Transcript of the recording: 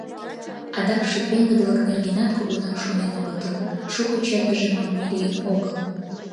Адакше пеҥгыдылык нергенат кугунак шонен огытыл: шуко чытыже манме лийын огыл.